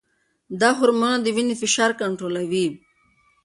دا هرمونونه د وینې فشار کنټرولوي.